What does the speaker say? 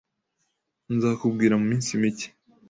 Nzakubwira mu minsi mike.